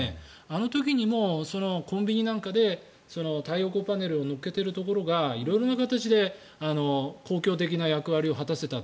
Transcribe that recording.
あの時にもコンビニなんかで太陽光パネルを乗っけているところが色々な形で公共的な役割を果たせた。